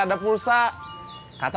sampai jumpa di video selanjutnya